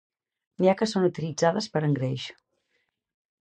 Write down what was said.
N'hi ha que són utilitzades per a engreix.